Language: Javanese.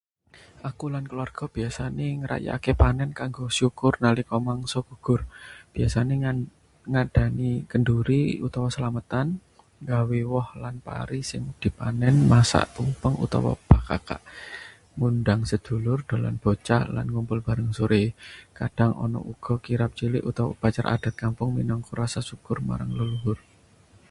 Aku lan keluarga biasane ngrayakake panen kanggo syukur nalika mangsa gugur. Biasane ngadani kenduri utawa selametan, nggawa woh lan pari sing dipanen, masak tumpeng utawa bakakak, ngundang sedulur, dolanan bocah, lan ngumpul bareng sore. Kadhang ana uga kirab cilik utawa upacara adat kampung minangka rasa syukur marang leluhur.